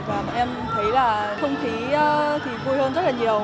và em thấy là không khí thì vui hơn rất là nhiều